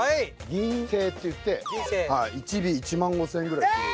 銀聖っていって１尾１５，０００円ぐらいする。